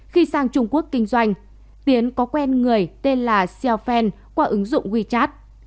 khi sang trung quốc kinh doanh tiến có quen người tên là seo fan qua ứng dụng wechat